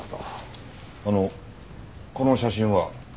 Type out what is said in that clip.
あのこの写真は？